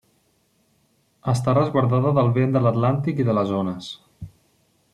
Està resguardada del vent de l'Atlàntic i de les ones.